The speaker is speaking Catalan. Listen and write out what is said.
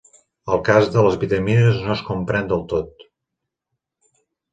El cas de les vitamines no es comprèn del tot.